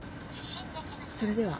それでは。